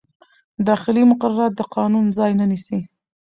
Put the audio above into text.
داخلي مقررات د قانون ځای نه نیسي.